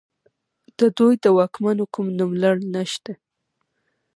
د دوی د واکمنو کوم نوملړ نشته